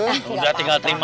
udah tinggal terima